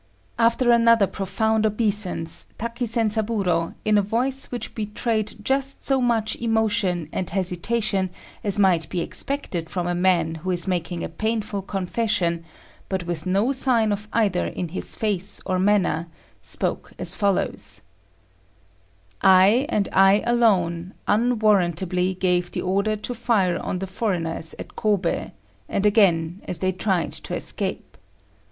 ] After another profound obeisance, Taki Zenzaburô, in a voice which betrayed just so much emotion and hesitation as might be expected from a man who is making a painful confession, but with no sign of either in his face or manner, spoke as follows: "I, and I alone, unwarrantably gave the order to fire on the foreigners at Kôbé, and again as they tried to escape.